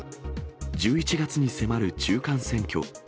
１１月に迫る中間選挙。